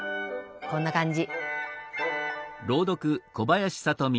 こんな感じ。